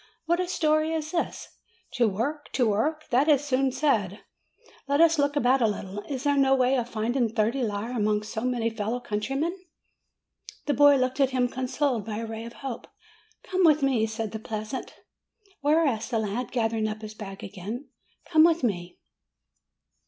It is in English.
"What a story is this ! To work, to work ! that is soon said. Let us look about a little. Is there no way of finding thirty lire among so many fellow countrymen?" The boy looked at him consoled by a ray of hope. "Come with me," said the peasant. "Where?" asked the lad, gathering up his bag again. "Come with me."